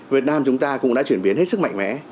việt nam chúng ta cũng đã chuyển biến hết sức mạnh mẽ